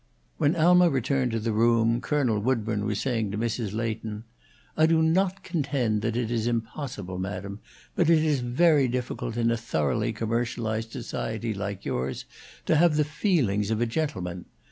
When Alma returned to the room, Colonel Woodburn was saying to Mrs. Leighton: "I do not contend that it is impossible, madam, but it is very difficult in a thoroughly commercialized society, like yours, to have the feelings of a gentleman.